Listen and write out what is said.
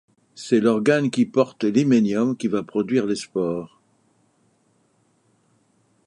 C'est l'organe qui porte l'hyménium qui va produire les spores.